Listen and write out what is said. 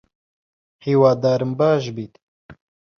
هیوادارم باش بیت